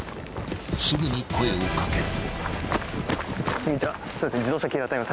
［すぐに声を掛ける］